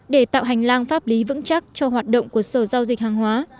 để tạo hành lang pháp lý vững chắc cho hoạt động của sở giao dịch hàng hóa